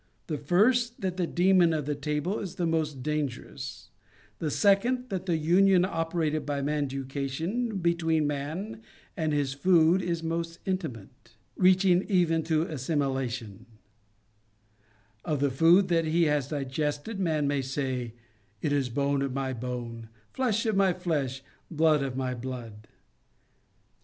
The first, that the demon of the table is the most dangerous ;* the second, that the union operated by manducation between man and his food is most intimate, * Olein. Alex. Poodag., lib. ii. o, i. In the Nineteenth Century. 267 reaching even to assimilation. Of the food that he has digested, man may say: "It is bone of my bone, flesh of my flesh, blood of my blood."